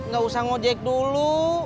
nggak usah ngojek dulu